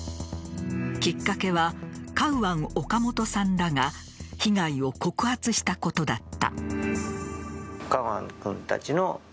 きっかけはカウアン・オカモトさんらが被害を告発したことだった。